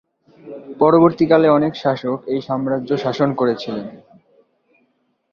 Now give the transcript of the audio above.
পরবর্তীকালে অনেক শাসক এই সাম্রাজ্য শাসন করেছিলেন।